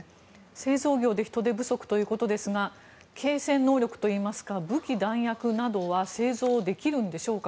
製造業で人手不足ということですが継戦能力といいますか武器、弾薬などは製造できるんでしょうか。